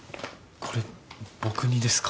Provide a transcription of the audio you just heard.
これ僕にですか？